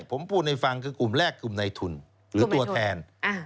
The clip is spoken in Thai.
ผมพูดให้ฟังคือกลุ่มแรกกลุ่มในทุนหรือตัวแทน